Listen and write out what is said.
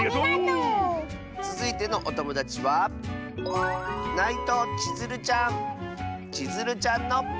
つづいてのおともだちはちづるちゃんの。